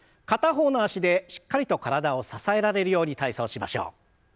片方の脚でしっかりと体を支えられるように体操しましょう。